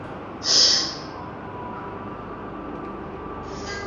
pia kuna hamasa kubwa kwa watu kusoma magazeti kuhusu michezo